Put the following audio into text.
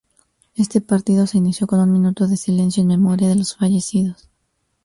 Este partido se inició con un minuto de silencio en memoria de los fallecidos.